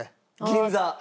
銀座。